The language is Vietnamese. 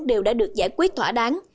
đều đã được giải quyết thỏa đáng